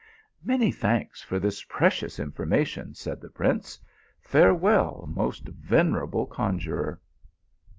" Many thanks for this precious information " said the prince. "Farewell, most venerable conjuror."